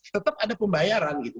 tetap ada pembayaran gitu